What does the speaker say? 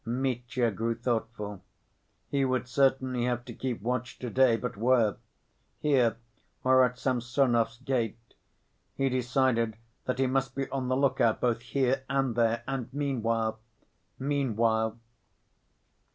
Mitya grew thoughtful. He would certainly have to keep watch to‐day, but where? Here or at Samsonov's gate? He decided that he must be on the look out both here and there, and meanwhile ... meanwhile....